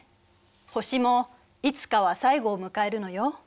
星もいつかは最後を迎えるのよ。